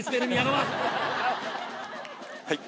はい。